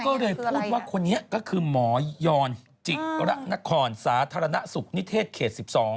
ก็เลยพูดว่าคนนี้ก็คือหมอยอนจิระนครสาธารณสุขนิเทศเขต๑๒